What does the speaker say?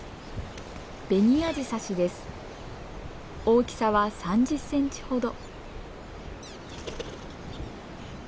大きさは３０センチほど。